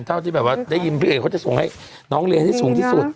เท่าที่แบบว่าได้ยินพี่เอกเขาจะส่งให้น้องเรียนให้สูงที่สุด